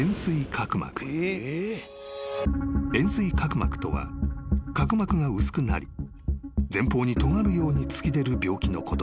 ［円錐角膜とは角膜が薄くなり前方にとがるように突き出る病気のこと］